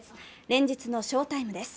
連日の翔タイムです。